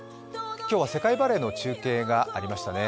今日は世界バレーの中継がありましたね。